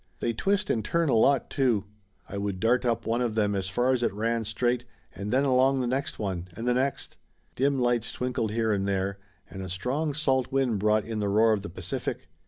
They twist and turn a lot too. I would dart up one of them as far as it ran straight, and then along the next one, and the next. Dim lights twinkled here and there, and a strong salt wind brought in the roar of the Pacific.